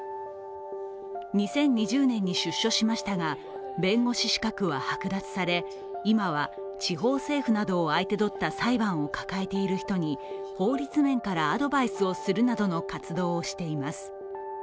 ２０２０年に出所しましたが、弁護士資格は剥奪され今は、地方政府などを相手取った裁判を抱えている人に法律面からアドバイスをするなどの活動をしています。